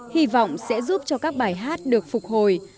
hy vọng sẽ giúp cho các bài hát được phục hồi